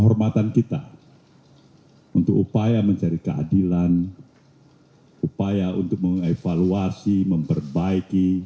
hormatan kita untuk upaya mencari keadilan upaya untuk mengevaluasi memperbaiki